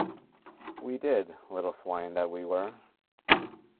We did, little swine that we were.